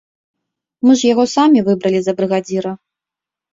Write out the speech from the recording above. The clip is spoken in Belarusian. Мы ж яго самі выбралі за брыгадзіра.